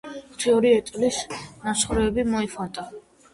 ლეგენდის თანახმად, ზეცაში ღვთიური ეტლის ნამსხვრევები მიმოიფანტა.